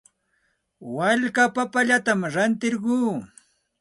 Walka papallatam rantirquu.